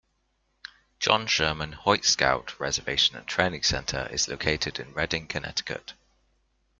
John Sherman Hoyt Scout Reservation and Training Center is located in Redding, Connecticut.